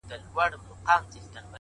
خاموشه صداقت تر لوړ غږ ارزښتمن دی؛